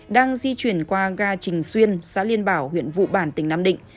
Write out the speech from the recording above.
đang di chuyển qua ga trình xuyên xã liên bảo huyện vụ bản tỉnh nam định